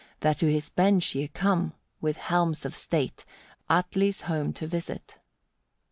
that to his bench ye come, with helms of state, Atli's home to visit.